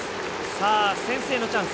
先制のチャンス。